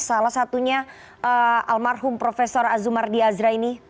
salah satunya almarhum prof azumar diyazra ini